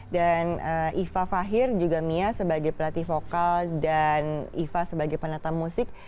dan iva fahir juga mia sebagai pelatih vokal dan iva sebagai penata musik